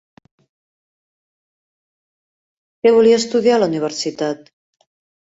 Què volia estudiar a la Universitat?